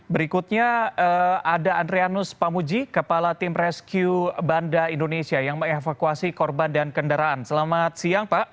berikutnya ada adrianus pamuji kepala tim rescue banda indonesia yang mengevakuasi korban dan kendaraan selamat siang pak